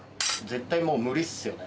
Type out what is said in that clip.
絶対もう無理っすよね